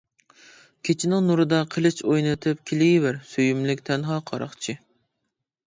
كېچىنىڭ نۇرىدا قىلىچ ئوينىتىپ، كېلىۋەر سۆيۈملۈك تەنھا قاراقچى.